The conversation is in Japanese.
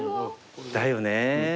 だよね。